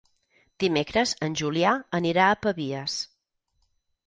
Dimecres en Julià anirà a Pavies.